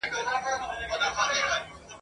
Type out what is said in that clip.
لوستي ښځي عاید ترلاسه کوي.